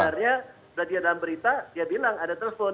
nah padahal sebenarnya setelah dia dalam berita dia bilang ada telpon